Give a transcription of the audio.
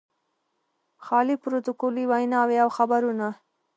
خالي پروتوکولي ویناوې او خبرونه.